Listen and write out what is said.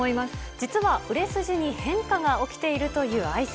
実は売れ筋に変化が起きているというアイス。